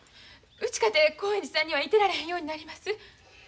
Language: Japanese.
うちかて興園寺さんにはいてられへんようになります。